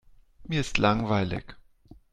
Mir ist langweilig.